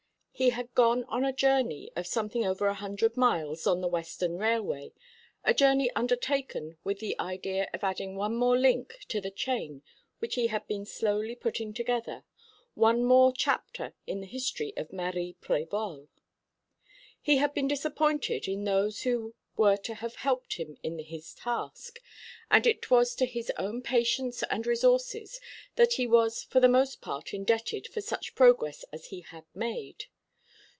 He had gone on a journey of something over a hundred miles on the Western Railway, a journey undertaken with the idea of adding one more link to the chain which he had been slowly putting together; one more chapter in the history of Marie Prévol. He had been disappointed in those who were to have helped him in his task; and it was to his own patience and resources that he was for the most part indebted for such progress as he had made.